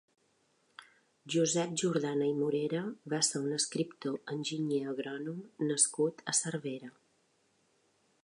Josep Jordana i Morera va ser un escriptor enginyer agrònom nascut a Cervera.